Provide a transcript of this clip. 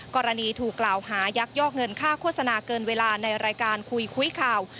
กรณีถูกกล่าวหายักยอกเงินค่าโฆษณาเกินเวลาในรายการคุยคุยข่าว